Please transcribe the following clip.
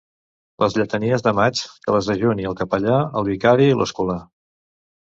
Les lletanies de maig que les dejuni el capellà, el vicari i l'escolà.